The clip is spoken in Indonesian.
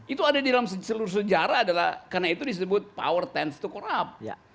itu ada di dalam seluruh sejarah adalah karena itu disebut power times to corrup